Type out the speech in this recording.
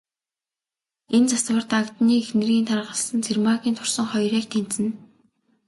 Энэ завсар, Дагданы эхнэрийн таргалсан, Цэрмаагийн турсан хоёр яг тэнцэнэ.